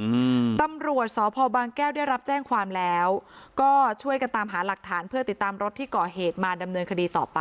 อืมตำรวจสพบางแก้วได้รับแจ้งความแล้วก็ช่วยกันตามหาหลักฐานเพื่อติดตามรถที่ก่อเหตุมาดำเนินคดีต่อไป